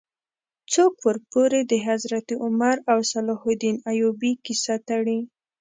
څوک ورپورې د حضرت عمر او صلاح الدین ایوبي کیسه تړي.